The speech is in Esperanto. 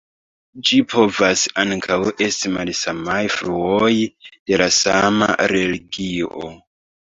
Ĝi povas ankaŭ esti malsamaj fluoj de la sama religio.